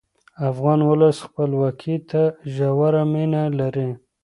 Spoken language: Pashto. افغان ولس خپلواکۍ ته ژوره مینه لري.